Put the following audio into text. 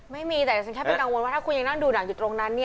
ไม่มีแต่ฉันแค่เป็นกังวลว่าถ้าคุณยังนั่งดูหนังอยู่ตรงนั้น